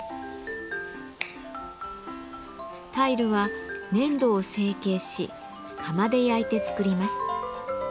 タイルは粘土を成形し釜で焼いて作ります。